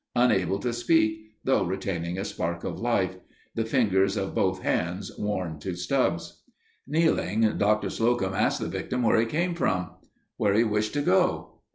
Unable to speak, though retaining a spark of life. The fingers of both hands worn to stubs. Kneeling, Doctor Slocum asked the victim where he came from; where he wished to go.